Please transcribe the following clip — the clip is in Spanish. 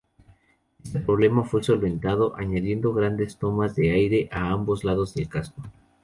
Este problema fue solventado añadiendo grandes tomas de aire a ambos lados del casco.